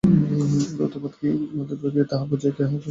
অদ্বৈতবাদ কি, তাহা না বুঝিয়া কেহ কেহ উহার উল্টা অর্থ করিয়া থাকেন।